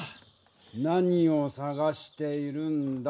何を探しているんだ？